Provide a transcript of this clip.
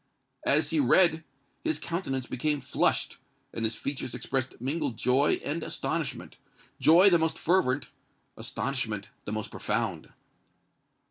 As he read, his countenance became flushed, and his features expressed mingled joy and astonishment—joy the most fervent, astonishment the most profound.